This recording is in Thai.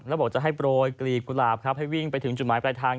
แล้วบอกจะให้โปรยกลีกกุหลาบครับให้วิ่งไปถึงจุดหมายปลายทาง